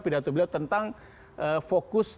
pidato beliau tentang fokus